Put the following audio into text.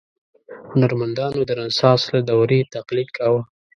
هنرمندانو د رنسانس له دورې تقلید کاوه.